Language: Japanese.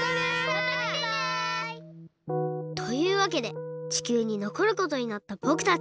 またきてね！というわけで地球にのこることになったぼくたち。